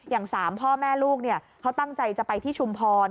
อย่าง๓พ่อแม่ลูกเขาตั้งใจจะไปที่ชุมพร